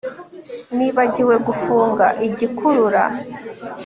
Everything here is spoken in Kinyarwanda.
Nibagiwe gufunga igikurura